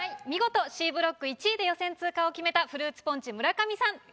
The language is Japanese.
見事Ｃブロック１位で予選通過を決めたフルーツポンチ村上さん